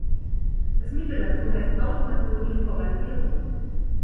Das Mittel dazu heißt „Automation durch Formalisierung“.